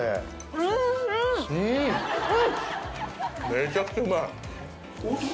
めちゃくちゃうまい！